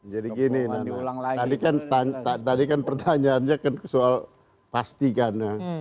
jadi gini tadi kan pertanyaannya kan soal pastikan ya